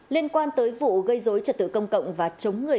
liên quan tới vụ gây dối trật tự công cộng và chống người